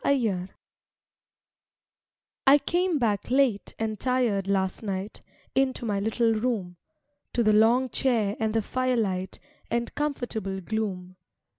HOME I came back late and tired last night Into my little room, To the long chair and the firelight And comfortable gloom.